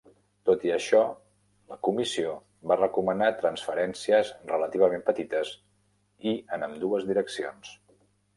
Tot i això, la Comissió va recomanar transferències relativament petites i en ambdues direccions.